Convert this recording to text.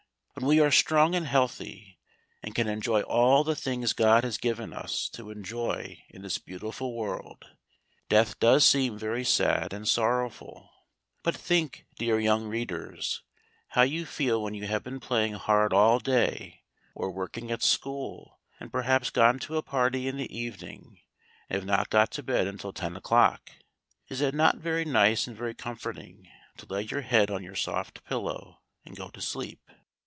When we are strong and healthy, and can enjoy all the things God has given us to enjoy in this beautiful world, death does seem very sad and sorrowful. But think, dear young readers, how you feel when you have been playing hard all day, or working at school, and perhaps gone to a party in the evening and have not got to bed until 10 o'clock. Is it not very nice and very comforting to lay your head on your soft pillow and go to sleep?